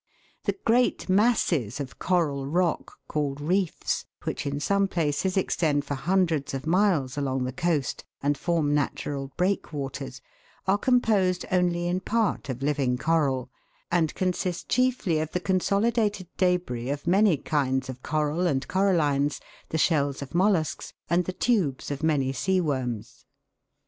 The great masses of coral rock, called reefs, which in some places extend for hundreds of miles along the coast and form natural breakwaters, are composed only in part of living coral, and consist chiefly of the consolidated debris of many kinds of coral and corallines, the shells of mollusks, and the tubes of many sea worms.